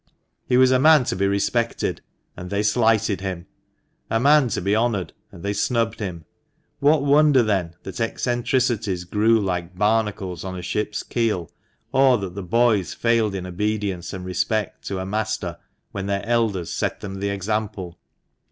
He was a man to be respected, and they slighted him ; a man to be honoured, and they snubbed him. What wonder, then, that eccentricities grew like barnacles on a ship's keel, or that the boys failed in obedience and respect to a master when their elders set them the example